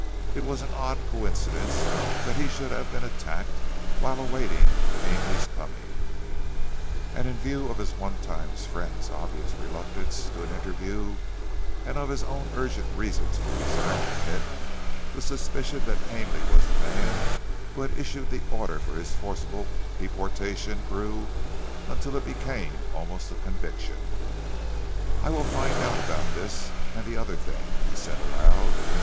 It was an odd coincidence that he should have been attacked whilst awaiting Ainley's coming, and in view of his one time friend's obvious reluctance to an interview and of his own urgent reasons for desiring it; the suspicion that Ainley was the man who had issued the order for his forcible deportation grew until it became almost a conviction. "I will find out about this and the other thing," he said aloud.